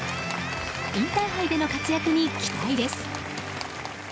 インターハイでの活躍に期待です。